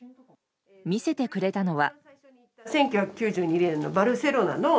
見せてくれたのは。